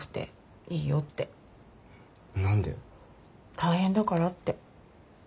大変だからって。